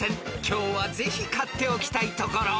［今日はぜひ勝っておきたいところ］